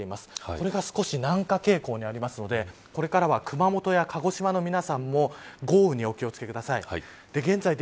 これが少し南下傾向にあるのでこれからは熊本や鹿児島の皆さんも豪雨にお気を付けください。